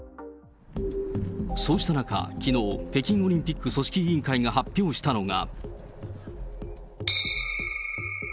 そうした中、きのう、北京オリンピック組織委員会が発表したのが。